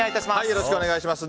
よろしくお願いします。